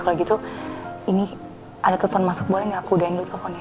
kalau gitu ini ada telepon masuk boleh gak aku udahin dulu teleponnya